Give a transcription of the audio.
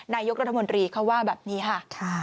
นายกรัฐมนตรีเขาว่าแบบนี้ค่ะ